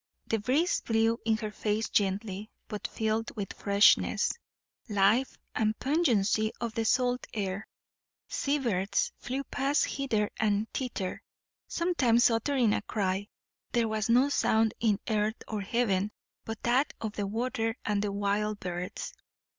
The breeze blew in her face gently, but filled with freshness, life, and pungency of the salt air; sea birds flew past hither and thither, sometimes uttering a cry; there was no sound in earth or heaven but that of the water and the wild birds.